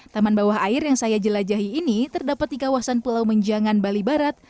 taman bawah air yang saya jelajahi ini terdapat di kawasan pulau menjangan bali barat